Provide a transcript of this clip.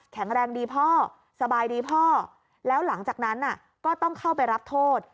แรงดีพ่อสบายดีพ่อแล้วหลังจากนั้นก็ต้องเข้าไปรับโทษ